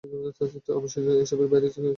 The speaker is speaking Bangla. অবশেষে এসবের বাইরে কেউ কিছু বললো।